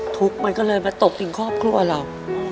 ทุกข์มันก็เลยมาตกถึงครอบครัวเรา